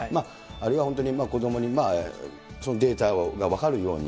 あるいは本当に子どもにデータが分かるように。